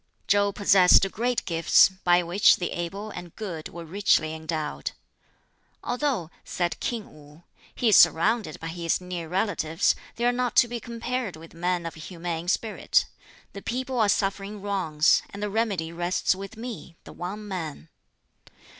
Chow possessed great gifts, by which the able and good were richly endowed. "Although," said King Wu, "he is surrounded by his near relatives, they are not to be compared with men of humane spirit. The people are suffering wrongs, and the remedy rests with me the one man."